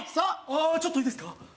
ああっちょっといいですか？